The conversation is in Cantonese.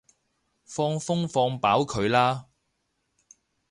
放風放飽佢啦